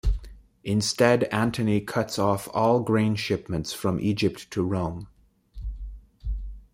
Instead Antony cuts off all grain shipments from Egypt to Rome.